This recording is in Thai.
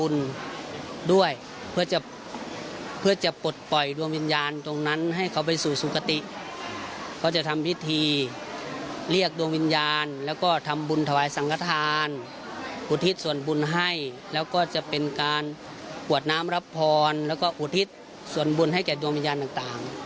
หวัดน้ำรับพรแล้วก็อุทิศส่วนบุญให้แก่ดวงวิญญาณต่าง